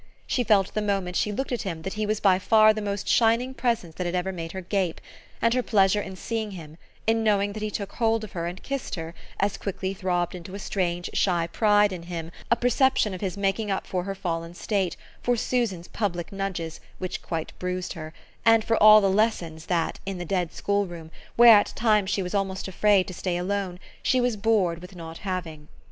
She felt the moment she looked at him that he was by far the most shining presence that had ever made her gape, and her pleasure in seeing him, in knowing that he took hold of her and kissed her, as quickly throbbed into a strange shy pride in him, a perception of his making up for her fallen state, for Susan's public nudges, which quite bruised her, and for all the lessons that, in the dead schoolroom, where at times she was almost afraid to stay alone, she was bored with not having.